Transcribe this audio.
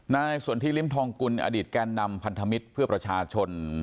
สนทิริมทองกุลอดีตแกนนำพันธมิตรเพื่อประชาชน